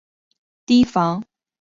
提防